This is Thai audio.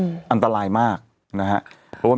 มีสารตั้งต้นเนี่ยคือยาเคเนี่ยใช่ไหมคะ